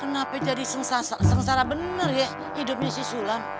kenapa jadi sengsara bener ya hidupnya si sulam